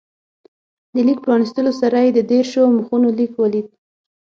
د لیک پرانستلو سره یې د دېرشو مخونو لیک ولید.